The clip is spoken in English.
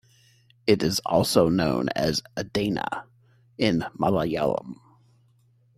It is also known as "edana" in Malayalam.